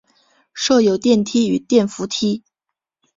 设有电梯与电扶梯。